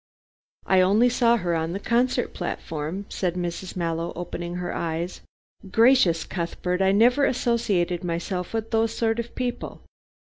"I only saw her on the concert platform," said Mrs. Mallow, opening her eyes, "gracious, Cuthbert, I never associated myself with those sort of people.